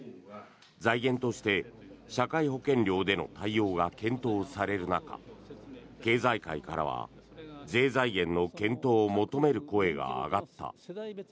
財源として社会保険料での対応が検討される中経済界からは税財源の検討を求める声が上がった。